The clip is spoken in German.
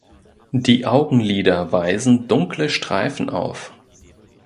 Die Augenlider weisen dunkle Streifen auf.